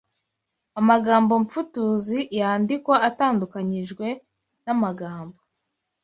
Amagambo mfutuzi yandikwa atandukanyijwe n’amagambo